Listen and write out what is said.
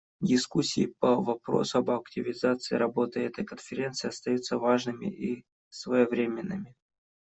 Дискуссии по вопросу об активизации работы этой Конференции остаются важными и своевременными.